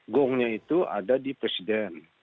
gongnya itu ada di presiden